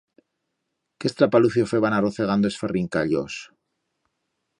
Qué estrapalucio feban arrocegando es ferrincallos.